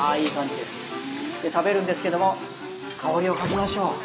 で食べるんですけども香りを嗅ぎましょう。